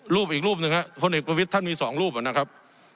รูปอีกรูปหนึ่งครับพลเอกประวิทย์ท่านมีสองรูปนะครับ